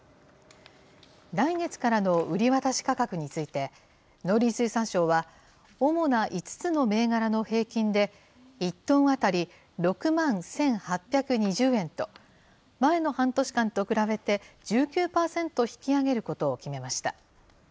来月からの売り渡し価格について、農林水産省は、主な５つの銘柄の平均で、１トン当たり６万１８２０円と、前の半年間と比べて、１９％引き上げることを決めました。